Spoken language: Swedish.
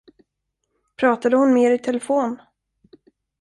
Pratade hon mer i telefon?